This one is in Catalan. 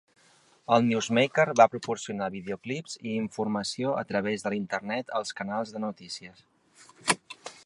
El NewsMarket va proporcionar videoclips i informació a través de l'Internet a els canals de notícies.